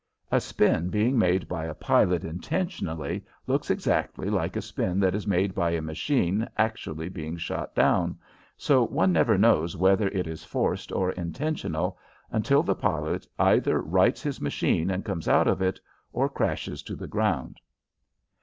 A spin being made by a pilot intentionally looks exactly like a spin that is made by a machine actually being shot down, so one never knows whether it is forced or intentional until the pilot either rights his machine and comes out of it or crashes to the ground.